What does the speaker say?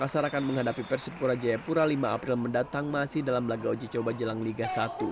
sarakan menghadapi persipura jayapura lima april mendatang masih dalam lagu ojicoba jelang liga satu